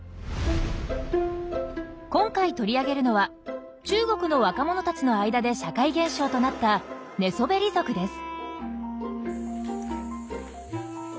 今回取り上げるのは中国の若者たちの間で社会現象となった「寝そべり族」です。